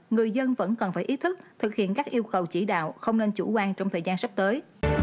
người dân vẫn cần phải ý thức thực hiện các yêu cầu chỉ đạo không nên chủ quan trong thời gian sắp tới